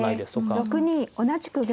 後手６二同じく玉。